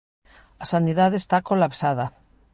A sanidade está colapsada.